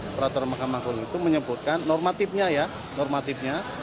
peraturan mahkamah agung itu menyebutkan normatifnya ya normatifnya